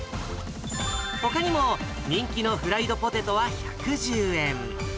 ほかにも人気のフライドポテトは１１０円。